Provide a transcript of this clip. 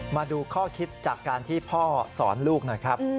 มาดูข้อคิดจากการที่พ่อสอนลูกหน่อยครับ